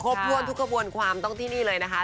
คับรวบทุกขบวนความต้องใจที่นี่เลยนะคะ